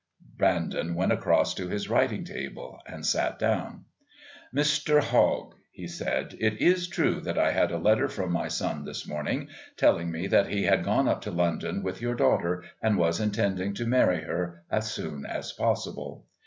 Brandon went across to his writing table and sat down. "Mr. Hogg," he said, "it is true that I had a letter from my son this morning telling me that he had gone up to London with your daughter and was intending to marry her as soon as possible.